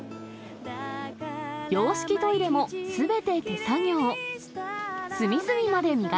洋式トイレもすべて手作業。